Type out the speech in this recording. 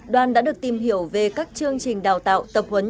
đoàn đã được tìm hiểu về các chương trình đào tạo tập huấn